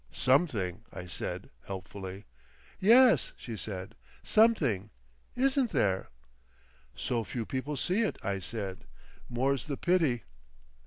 "Something," I said helpfully. "Yes," she said, "something. Isn't there?" "So few people see it," I said; "more's the pity!"